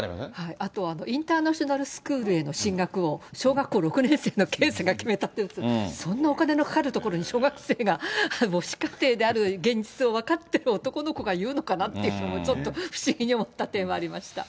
あとインターナショナルスクールへの進学を小学生の圭さんが決めたっていうの、そんなお金のかかる所に小学生が、母子家庭である現実を分かってる男の子が言うのかなっていうのも、ちょっと不思議に思った点はありました。